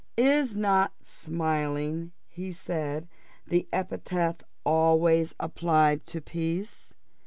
"Is not smiling," said he, "the epithet always applied to peace?